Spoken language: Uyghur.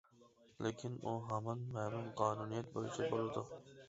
لېكىن ئۇ ھامان مەلۇم قانۇنىيەت بويىچە بولىدۇ.